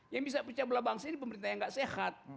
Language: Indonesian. yang bisa pecah belah bangsa ini pemerintah yang gak sehat